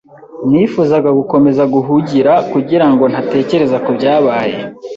Nifuzaga gukomeza guhugira, kugirango ntatekereza kubyabaye.